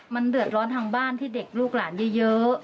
มันเดือดร้อนทางบ้านที่เด็กลูกหลานเยอะ